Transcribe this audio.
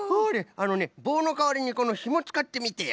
あのねぼうのかわりにこのひもつかってみてよ